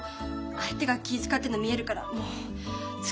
相手が気ぃ遣ってんの見えるから疲れちゃって。